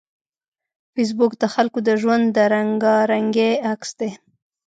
فېسبوک د خلکو د ژوند د رنګارنګۍ عکس دی